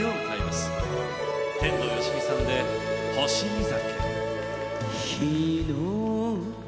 天童よしみさんで「星見酒」。